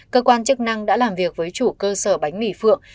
cơ quan chức năng đã làm việc với chủ cơ sở bánh mì phượng